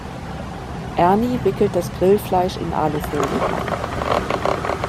Ernie wickelt das Grillfleisch in Alufolie ein.